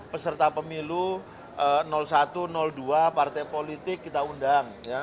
peserta pemilu satu dua partai politik kita undang